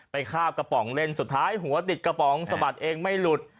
คาบกระป๋องเล่นสุดท้ายหัวติดกระป๋องสะบัดเองไม่หลุด